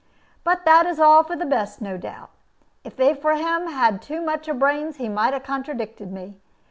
But that is all for the best, no doubt. If Ephraim had too much of brains, he might have contradicted me.